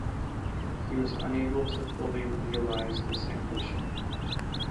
He was unable to fully realize this ambition.